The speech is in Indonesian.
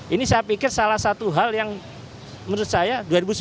ini saya pikir salah satu hal yang menurut saya dua ribu sembilan belas